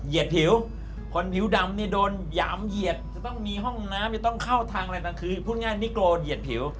เหยียดผิวคนผิวดำที่โดนหยามเหยียดจะมีห้องน้ำจะต้องเข้าทางเลยละคือพูดง่ายนิโกิดเหยียดผิว